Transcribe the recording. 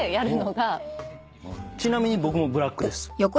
ちなみに僕もブラックです。